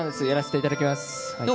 やらせていただきます。